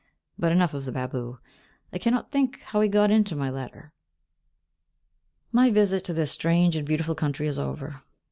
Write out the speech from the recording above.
But enough of the babu; I cannot think how he got into my letter. My visit to this strange and beautiful country is over.